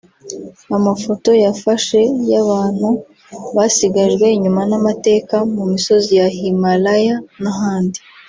Amafoto yafashe y’abantu basigajwe inyuma n’amateka mu misozi ya Himalaya n’ahandi